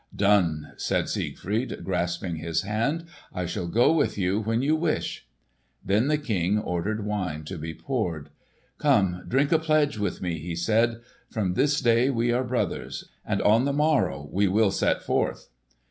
"Done!" said Siegfried, grasping his hand. "I shall go with you when you wish." Then the King ordered wine to be poured. "Come, drink a pledge with me!" he said. "From this day we are brothers. And on the morrow we will set forth."